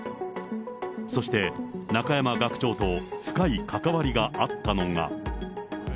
そして、中山学長と深い関わりがあったのが。